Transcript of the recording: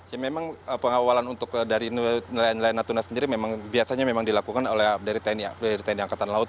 ya memang pengawalan untuk dari nelayan nelayan natuna sendiri memang biasanya memang dilakukan oleh tni angkatan laut